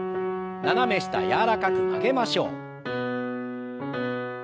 斜め下柔らかく曲げましょう。